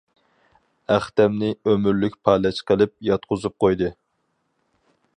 ئەختەمنى ئۆمۈرلۈك پالەچ قىلىپ، ياتقۇزۇپ قويدى.